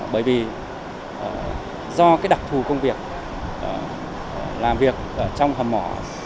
bởi vì do cái đặc thù công việc làm việc ở trong hầm mỏ